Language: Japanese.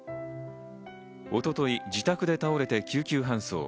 一昨日、自宅で倒れて救急搬送。